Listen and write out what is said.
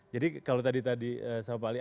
jadi kalau tadi sama pak ali